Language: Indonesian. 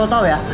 asal lo tau ya